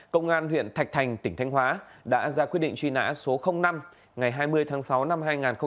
công an huyện thạch thành tỉnh thanh hóa đã ra quyết định truy nã số năm ngày hai mươi tháng sáu năm hai nghìn một mươi ba